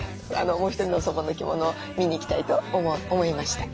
もう一人の祖母の着物を見に行きたいと思いました。